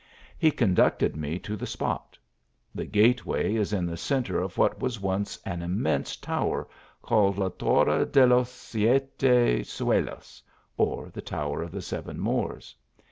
He conducted me to the spot. The gateway is in the centre of what was once an immense tower, called la Torre de los Siete Suelos, or, the Tower of the Seven Moors.